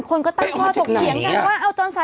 คนก็ตั้งข้อปกเขียนกันว่า